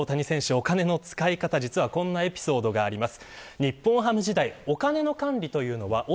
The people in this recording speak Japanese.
お金の使い方こんなエピソードがあります。